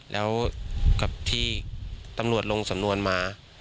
แล้วกับที่ตำรวจลงสำนวนมา